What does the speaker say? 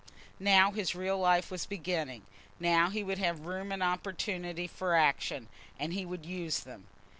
Now his real life was beginning; now he would have room and opportunity for action, and he would use them.